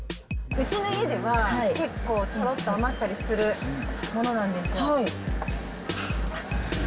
うちの家では、結構、ちょろっと余ったりするものなんですよ。